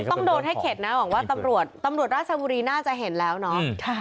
ต้องโดนให้เข็ดนะหวังว่าตำรวจตำรวจราชบุรีน่าจะเห็นแล้วเนาะ